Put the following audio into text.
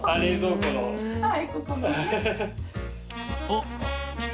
あっ。